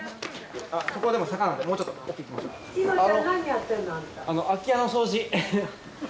そこはでも坂なんでもうちょっと奥行きましょ。